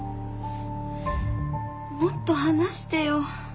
もっと話してよ。